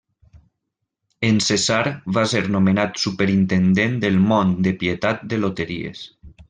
En cessar va ser nomenat superintendent del Mont de Pietat de Loteries.